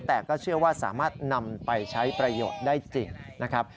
แต่ก็เชื่อว่าสามารถนำไปใช้ประโยชน์ได้จริงนะครับ